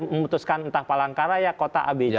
memutuskan entah palangkara ya kota abc